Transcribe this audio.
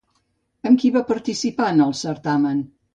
Amb qui va participar en el certamen?